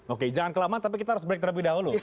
oke jangan kelamaan tapi kita harus break terlebih dahulu